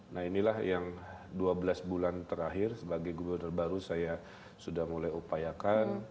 nah inilah yang dua belas bulan terakhir sebagai gubernur baru saya sudah mulai upayakan